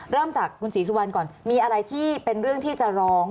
เริ่มจากคุณศรีสุวรรณก่อนมีอะไรที่เป็นเรื่องที่จะร้อง